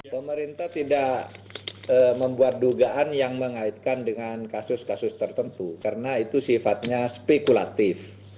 pemerintah tidak membuat dugaan yang mengaitkan dengan kasus kasus tertentu karena itu sifatnya spekulatif